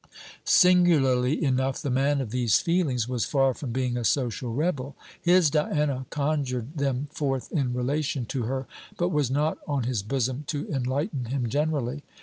Singularly enough, the man of these feelings was far from being a social rebel. His Diana conjured them forth in relation to her, but was not on his bosom to enlighten him generally.